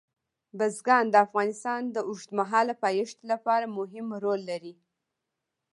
بزګان د افغانستان د اوږدمهاله پایښت لپاره مهم رول لري.